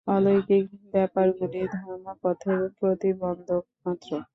অলৌকিক ব্যাপারগুলি ধর্মপথের প্রতিবন্ধক মাত্র।